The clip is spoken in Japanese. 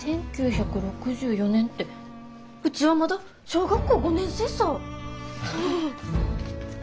１９６４年ってうちはまだ小学校５年生さぁ。